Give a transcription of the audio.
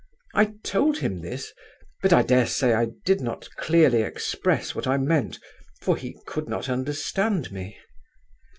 I told him this, but I dare say I did not clearly express what I meant, for he could not understand me.